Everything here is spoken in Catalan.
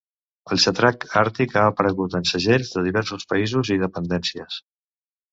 El xatrac àrtic ha aparegut en segells de diversos països i dependències.